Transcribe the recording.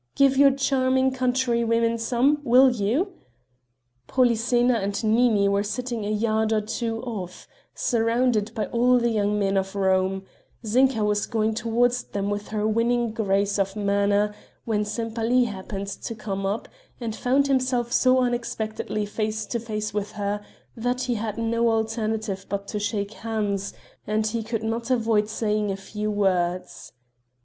"Give your charming countrywomen some, will you?" Polyxena and Nini were sitting a yard or two off, surrounded by all the young men of Rome; Zinka was going towards them with her winning grace of manner when Sempaly happened to come up, and found himself so unexpectedly face to face with her that he had no alternative but to shake hands, and he could not avoid saying a few words.